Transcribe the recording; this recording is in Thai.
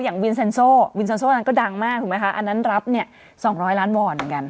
วินเซ็นโซ่วินเซ็นโซ่นั้นก็ดังมากถูกไหมคะอันนั้นรับเนี่ย๒๐๐ล้านวอร์ดเหมือนกัน